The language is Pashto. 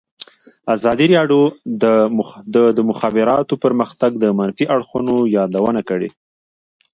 ازادي راډیو د د مخابراتو پرمختګ د منفي اړخونو یادونه کړې.